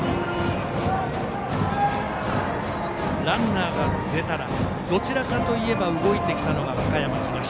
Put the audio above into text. ランナーが出たらどちらかといえば動いてきたのが和歌山東。